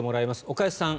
岡安さん